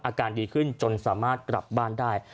อาการดีขึ้นจนสามารถกลับบ้านได้